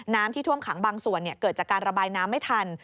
ที่ท่วมขังบางส่วนเกิดจากการระบายน้ำไม่ทัน